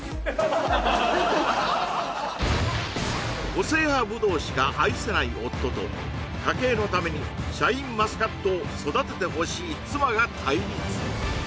個性派ぶどうしか愛せない夫と家計のためにシャインマスカットを育ててほしい妻が対立